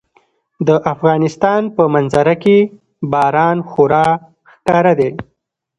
د افغانستان په منظره کې باران خورا ښکاره دی.